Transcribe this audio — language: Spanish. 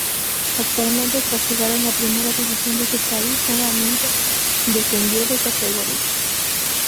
Actualmente, tras jugar en la primera división de su país, nuevamente descendió de categoría.